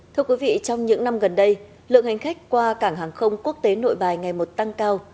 thưa quý vị trong những năm gần đây lượng hành khách qua cảng hàng không quốc tế nội bài ngày một tăng cao